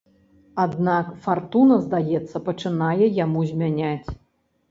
Аднак фартуна, здаецца, пачынае яму змяняць.